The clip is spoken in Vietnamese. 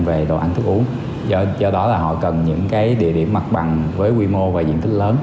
về đồ ăn thức uống do đó là họ cần những cái địa điểm mặt bằng với quy mô và diện tích lớn